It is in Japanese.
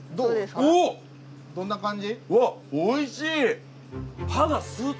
どんな感じ？